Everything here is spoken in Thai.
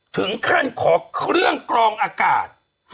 ถึงขั้นขอเครื่องกรองอากาศ